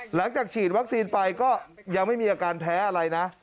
หลังจากฉีดวัคซีนไปก็ยังไม่มีอาการแพ้อะไรนะ